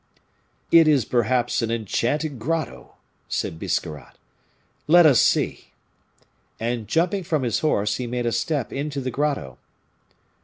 "It is perhaps an enchanted grotto," said Biscarrat; "let us see." And, jumping from his horse, he made a step into the grotto.